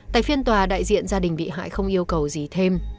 tại phiên tòa đại diện gia đình bị hại không yêu cầu gì thêm